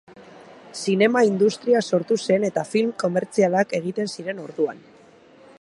Zinema industria sortu zen eta film komertzialak egiten ziren orduan.